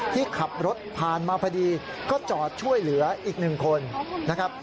ที่ขับรถผ่านมาพอดีก็จอดช่วยเหลืออีกหนึ่งคนนะครับ